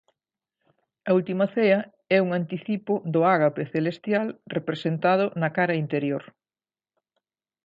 A Última Cea é un anticipo do Ágape Celestial representado na cara interior.